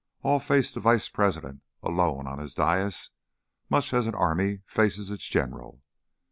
All faced the Vice President, alone on his dais, much as an army faces its general.